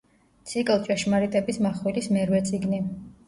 ციკლ „ჭეშმარიტების მახვილის“ მერვე წიგნი.